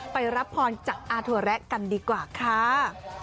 ไปรับพรจากอาถั่วแระกันดีกว่าค่ะ